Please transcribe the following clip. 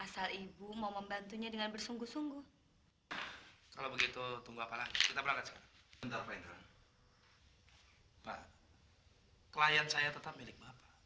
santy lepaskan cantik